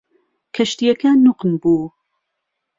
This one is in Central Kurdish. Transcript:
کەشتیەکە نوقم بوو.